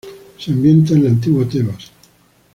Se ambienta en la antigua Tebas.